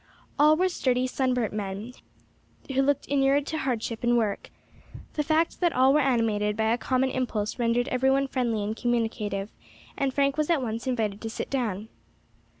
All were sturdy, sunburnt men, who looked inured to hardship and work. The fact that all were animated by a common impulse rendered every one friendly and communicative, and Frank was at once invited to sit down.